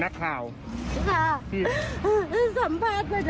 ครับครับ